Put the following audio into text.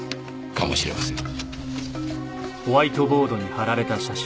かもしれません。